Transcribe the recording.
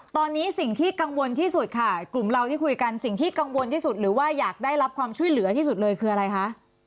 ตอนนี้สิ่งที่กังวลที่สุดค่ะกลุ่มเราที่คุยกันสิ่งที่กังวลที่สุดหรือว่าอยากได้รับความช่วยเหลือที่สุดเลยคืออะไรคะ